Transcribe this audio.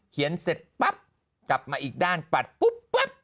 เขียนเสร็จปั๊บจับมาอีกด้านปัดปั๊บ